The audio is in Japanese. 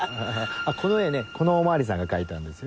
この絵ねこのお巡りさんが描いたんですよ。